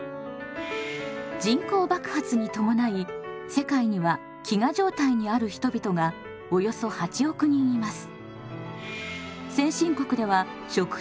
人口爆発に伴い世界には飢餓状態にある人々がおよそ８億人います。